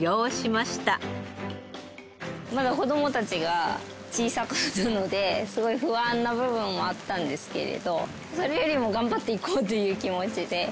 まだ子供たちが小さかったのですごい不安な部分もあったんですけれどそれよりも頑張っていこうという気持ちで。